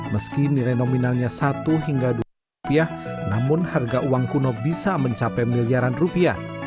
meski nilai nominalnya satu hingga dua rupiah namun harga uang kuno bisa mencapai miliaran rupiah